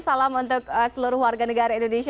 salam untuk seluruh warga negara indonesia